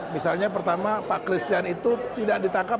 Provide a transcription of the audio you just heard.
misalnya pertama pak christian itu tidak ditangkap